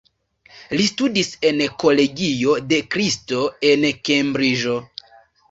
Li studis en Kolegio de kristo, en Kembriĝo.